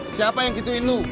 siapa yang gituin lu